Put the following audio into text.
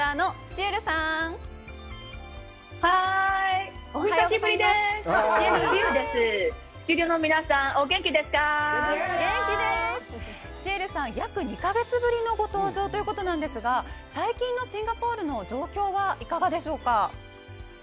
シエルさん、約２か月ぶりのご登場ということなんですが、最近のシンガポールの状況はいかがでしょうか。